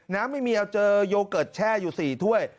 น้ำไม่มีเอาเจอโยเกิร์ตแช่อยู่๔ถ้วย